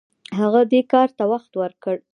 هغه دې کار ته وخت ورکړ.